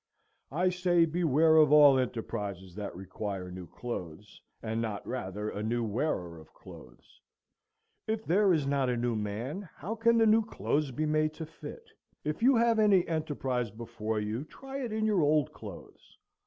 I say, beware of all enterprises that require new clothes, and not rather a new wearer of clothes. If there is not a new man, how can the new clothes be made to fit? If you have any enterprise before you, try it in your old clothes.